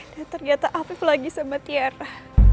dan ternyata afif lagi sama tiara